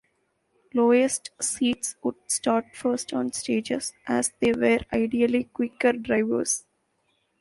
Lowest seeds would start first on stages, as they were ideally quicker drivers.